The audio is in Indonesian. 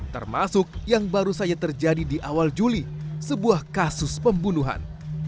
termasuk yang baru saja terjadi di awal juli sebuah kasus pembunuhan